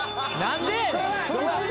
何で！？